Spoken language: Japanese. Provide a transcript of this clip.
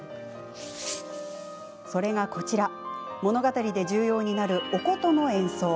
それが、こちら物語で重要になるお琴の演奏。